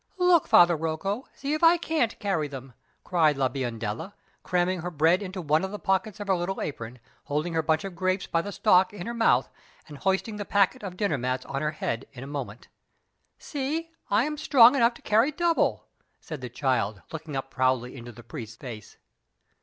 "Look, Father Rocco, see if I can't carry them!" cried La Biondella, cramming her bread into one of the pockets of her little apron, holding her bunch of grapes by the stalk in her mouth, and hoisting the packet of dinner mats on her head in a moment. "See, I am strong enough to carry double," said the child, looking up proudly into the priest's face.